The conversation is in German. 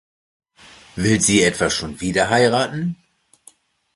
Will sie etwa schon wieder heiraten?